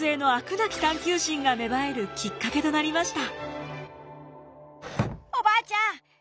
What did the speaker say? なき探究心が芽生えるきっかけとなりました。